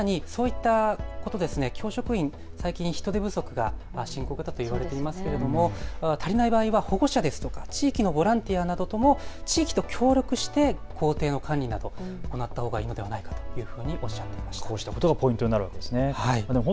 さらにそういったこと、教職員、最近人手不足が深刻だと言われていますけれども足りない場合は保護者ですとか地域のボランティアなどとも地域と協力して校庭の管理などを行ったほうがいいのではないかというふうにおっしゃっていました。